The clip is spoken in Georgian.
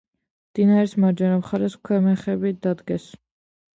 მდინარის მარჯვენა მხარეს ქვემეხები დადგეს.